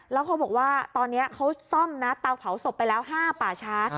แล้วเขาบอกว่าตอนนี้เขาซ่อมนะเตาเผาศพไปแล้ว๕ป่าช้า